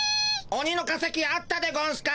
オニの化石あったでゴンスか？